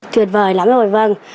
tuyệt vời lắm rồi vâng